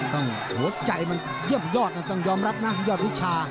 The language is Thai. หัวใจมันเยี่ยมยอดนะต้องยอมรับนะยอดวิชา